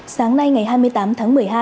sáng nay ngày hai mươi tám tháng một mươi hai